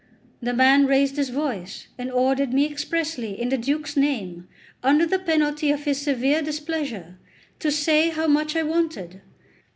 The man raised his voice, and ordered me expressly in the Duke's name, under the penalty of his severe displeasure, to say how much I wanted.